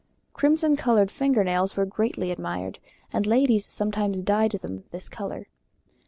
Crimson coloured finger nails were greatly admired; and ladies sometimes dyed them this colour.